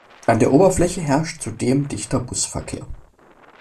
An der Oberfläche herrscht zudem dichter Busverkehr.